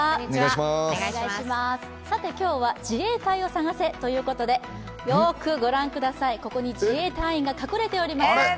今日は自衛隊を探せということでよーくご覧ください、ここに自衛隊員が隠れております。